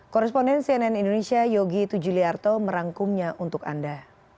koresponden cnn indonesia yogi tujuliarto merangkumnya untuk anda